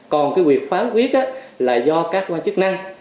còn cái việc phán quyết là do các quan chức năng